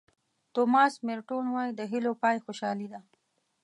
توماس مېرټون وایي د هیلو پای خوشالي ده.